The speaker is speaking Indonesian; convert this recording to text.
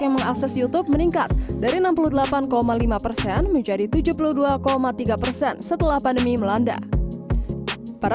yang mengakses youtube meningkat dari enam puluh delapan lima persen menjadi tujuh puluh dua tiga persen setelah pandemi melanda para